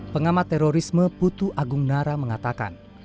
pengamat terorisme putu agung nara mengatakan